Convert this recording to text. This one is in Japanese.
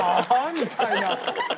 みたいな。